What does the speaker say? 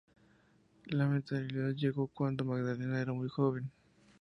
La maternidad llegó cuando Magdalena era muy joven.